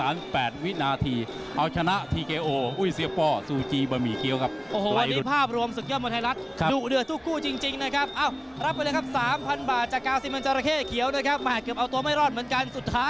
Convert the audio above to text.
มวยไม่มีใครอัดฉีดเราสองคนบ้างเนาะ